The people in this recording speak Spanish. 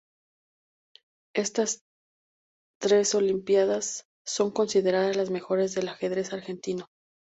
Estas tres olimpíadas son consideradas las mejores del ajedrez argentino.